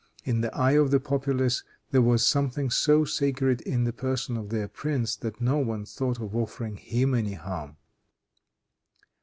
In the eye of the populace, there was something so sacred in the person of their prince that no one thought of offering him any harm.